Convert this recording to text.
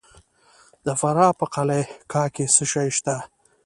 د فراه په قلعه کاه کې څه شی شته؟